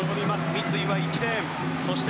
三井は１レーン。